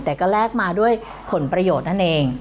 แต่ก็แลกมาด้วยผลประโยชน์นั่นเอง